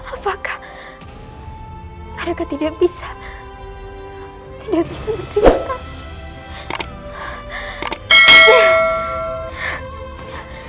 apakah mereka tidak bisa tidak bisa terima kasih